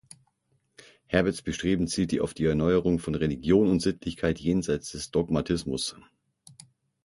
Herberts Bestreben zielte auf die Erneuerung von Religion und Sittlichkeit jenseits des Dogmatismus.